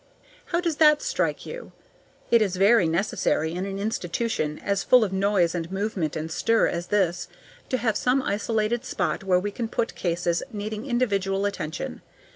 How does that strike you? It is very necessary in an institution as full of noise and movement and stir as this to have some isolated spot where we can put cases needing individual attention.